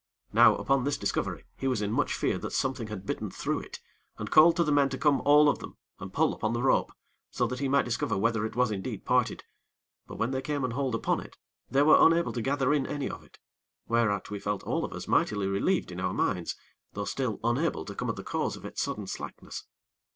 Now, upon this discovery, he was in much fear that something had bitten through it, and called to the men to come all of them and pull upon the rope, so that he might discover whether it was indeed parted; but when they came and hauled upon it, they were unable to gather in any of it, whereat we felt all of us mightily relieved in our minds; though still unable to come at the cause of its sudden slackness.